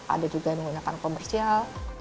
ada juga yang menggunakan komersial